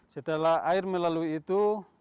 setelah air melalui itu